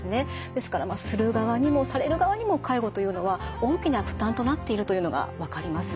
ですからする側にもされる側にも介護というのは大きな負担となっているというのが分かります。